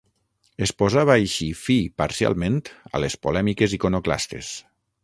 Es posava així fi parcialment a les polèmiques iconoclastes.